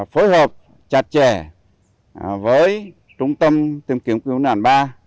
phối hợp chặt chẽ với trung tâm tìm kiếm cứu nạn ba